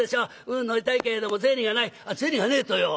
「うん乗りたいけれども銭がない」「銭がねえとよ」。